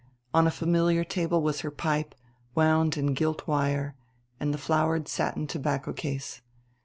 On a familiar table was her pipe, wound in gilt wire, and the flowered satin tobacco case.